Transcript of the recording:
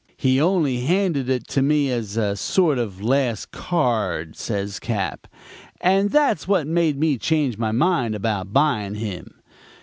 "'He only handed it to me as a sort of last card,' says Cap., 'and that's what made me change my mind about buying him.